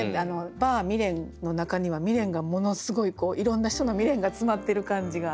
「バー・未練」の中には未練がものすごいこういろんな人の未練が詰まってる感じが。